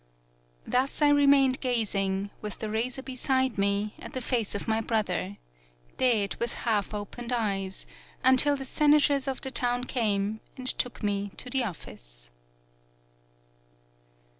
Thus I re mained gazing, with the razor beside me, at the face of my brother, dead with half opened eyes, until the senators of the town came and took me to the office."